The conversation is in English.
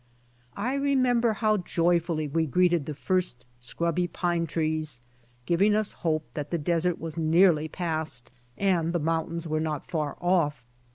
I remember how joyfully we greeted the first scrubby pine trees, giving us hope that the desert was nearly past and the mountains were not far off.